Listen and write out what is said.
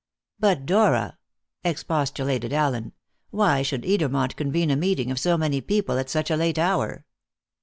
"But, Dora," expostulated Allen, "why should Edermont convene a meeting of so many people at such a late hour?"